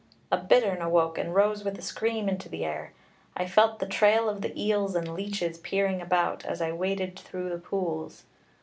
A bittern awoke and rose with a scream into the air. I felt the trail of the eels and leeches peering about, as I waded through the pools.